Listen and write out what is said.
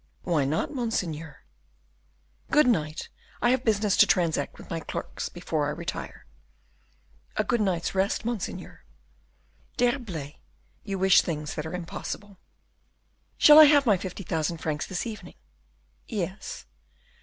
"Why not, monseigneur?" "Good night, I have business to transact with my clerks before I retire." "A good night's rest, monseigneur." "D'Herblay, you wish things that are impossible." "Shall I have my fifty thousand francs this evening?" "Yes."